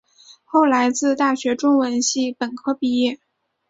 后来自大学中文系本科毕业。